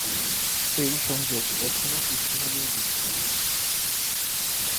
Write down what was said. এই সংযোগ এখনও কিছুটা হলেও বিদ্যমান।